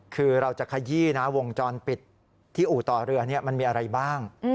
คือเราจะขยี้นะวงจรปิดที่อู่ต่อเรือมันมีอะไรบ้าง